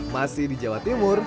masih di jawa timur